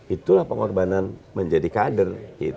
itulah pengorbanan menjadi kader